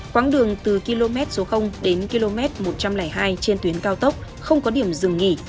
quãng đường từ km số đến km một trăm linh hai trên tuyến cao tốc không có điểm dừng nghỉ